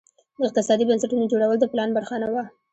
د اقتصادي بنسټونو جوړول د پلان برخه نه وه.